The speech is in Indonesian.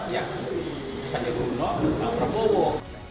yang bisa dihubungi